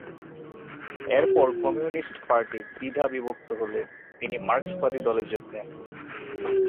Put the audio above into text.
এরপর communist party দ্বিধাবিভক্ত হলে তিনি মার্কসবাদী দলে যোগ দেন।